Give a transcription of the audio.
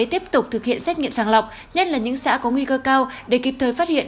tiếp tục thực hiện xét nghiệm sàng lọc nhất là những xã có nguy cơ cao để kịp thời phát hiện